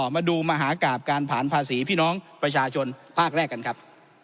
มหากราบการผ่านภาษีพี่น้องประชาชนภาคแรกกันครับ